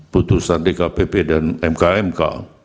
putusan dkpp dan mkmk